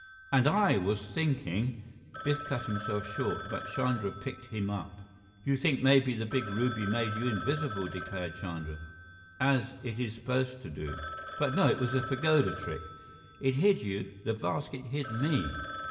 "And I was thinking " Biff cut himself short, but Chandra picked him up. "You think maybe the big ruby made you invisible," declared Chandra, "as it is supposed to do. But no, it was the pagoda trick. It hid you, the basket hid me."